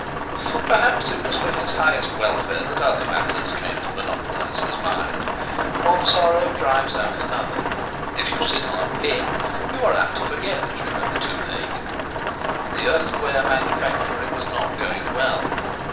Perhaps it was for his highest welfare that other matters came to monopolize his mind. One sorrow drives out another. If you sit on a pin you are apt to forget that you have the toothache. The earthenware manufactory was not going well.